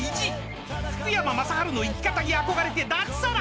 ［福山雅治の生き方に憧れて脱サラ！］